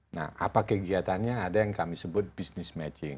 nah apa kegiatannya ada yang kami sebut business matching